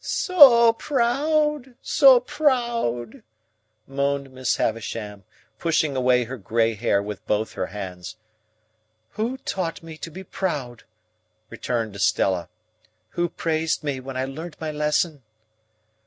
"So proud, so proud!" moaned Miss Havisham, pushing away her grey hair with both her hands. "Who taught me to be proud?" returned Estella. "Who praised me when I learnt my lesson?"